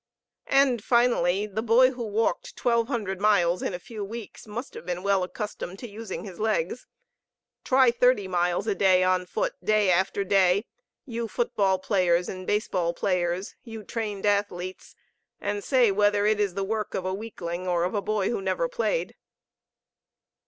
And finally, the boy who walked twelve hundred miles in a few weeks must have been well accustomed to using his legs. Try thirty miles a day on foot, day after day, you football players and baseball players, you trained athletes, and say whether it is the work of a weakling or of a boy who never played.